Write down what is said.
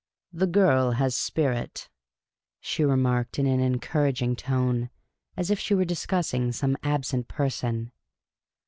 " The girl has spirit," she remarked, in an encour aging tone, as if she were discussing some absent person.